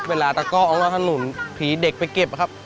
เวลาตะกรออกแล้วทะหนุนพีดเด็กไปเก็บครับ